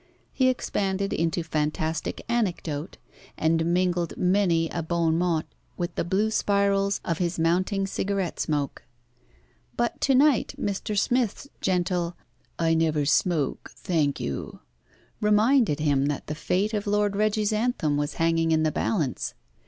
He expanded into fantastic anecdote, and mingled many a bon mot with the blue spirals of his mounting cigarette smoke. But to night Mr. Smith's gentle, "I never smoke, thank you," reminded him that the fate of Lord Reggie's anthem was hanging in the balance.